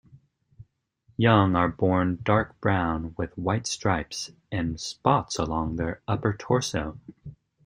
Young are born dark brown with white stripes and spots along their upper torso.